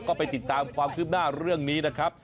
ก็ไปติดตามความคืบหน้าเรื่องนี้นะครับ